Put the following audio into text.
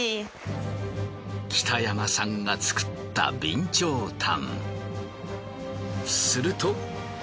北山さんが作った備長炭。